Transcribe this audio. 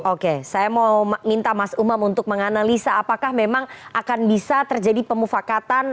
oke saya mau minta mas umam untuk menganalisa apakah memang akan bisa terjadi pemufakatan